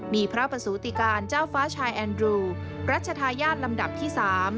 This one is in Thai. มีพระประสูติการเจ้าฟ้าชายแอนดรูรัชธาญาติลำดับที่๓